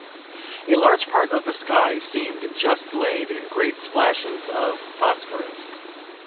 A large part of the sky seem'd just laid in great splashes of phosphorus.